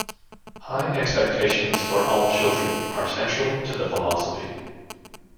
High expectations for all children are central to the philosophy.